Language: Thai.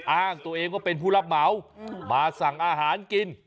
อ้างตัวเองว่าเป็นผู้รับเหมามาสั่งอาหารกิน